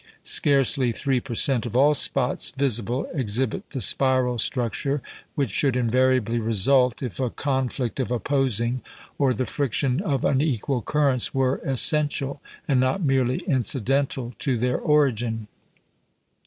Scarcely three per cent. of all spots visible exhibit the spiral structure which should invariably result if a conflict of opposing, or the friction of unequal, currents were essential, and not merely incidental to their origin.